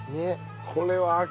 これは秋！